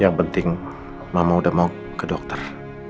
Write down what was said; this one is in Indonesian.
yang penting mama udah mau ke dokter